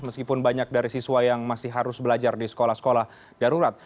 meskipun banyak dari siswa yang masih harus belajar di sekolah sekolah darurat